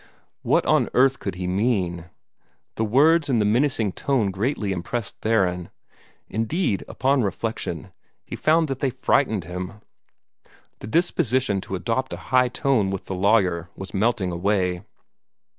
What on earth could he mean? The words and the menacing tone greatly impressed Theron. Indeed, upon reflection, he found that they frightened him. The disposition to adopt a high tone with the lawyer was melting away.